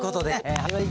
はい。